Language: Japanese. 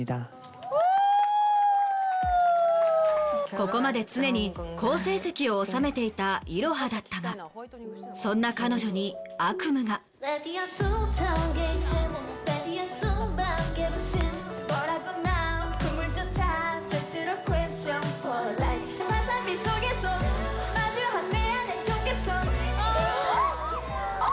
ここまで常に好成績を収めていたイロハだったがそんな彼女に悪夢が。ああ！